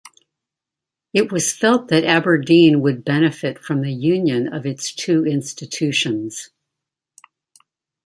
It was felt that Aberdeen would benefit from the union of its two institutions.